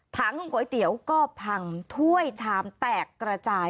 ก๋วยเตี๋ยวก็พังถ้วยชามแตกกระจาย